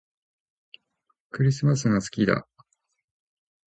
クリスマスが好きだ